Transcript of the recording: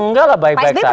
nggak lah baik baik saja